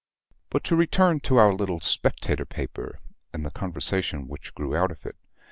But to return to our little Spectator paper and the conversation which grew out of it.